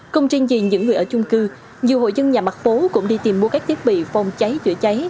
công trình gì những người ở chung cư nhiều hội dân nhà mặt phố cũng đi tìm mua các thiết bị phòng cháy chữa cháy